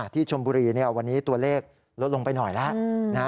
ชมบุรีวันนี้ตัวเลขลดลงไปหน่อยแล้ว